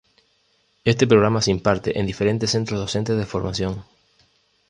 Este programa se imparte en diferentes Centros Docentes de Formación.